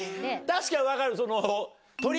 確かに分かる。